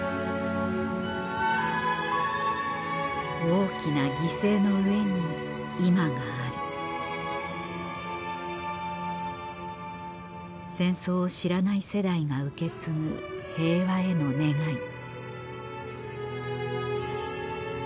大きな犠牲の上に今がある戦争を知らない世代が受け継ぐ平和への願い